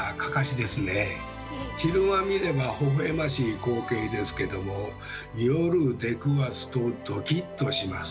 昼間見ればほほえましい光景ですけども夜出くわすとドキっとします。